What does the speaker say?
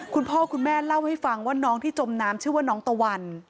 คุณพ่อคุณแม่เล่าให้ฟังว่าน้องที่จมน้ำชื่อว่าน้องตะวัน